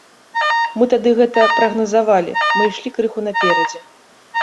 Мы тады гэта прагназавалі, мы ішлі крыху наперадзе.